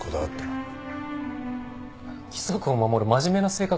規則を守る真面目な性格なのでは？